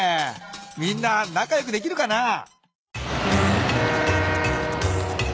みんななかよくできるかなあ？